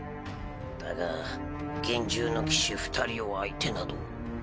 だが幻獣の騎士二人を相手など。